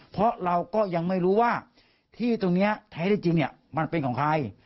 เพราะเราก็ยังไม่รู้ว่าที่ตรงนี้แท้ได้จริงมันเป็นของใคร